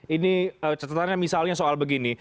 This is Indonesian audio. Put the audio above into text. ini catatannya misalnya soal begini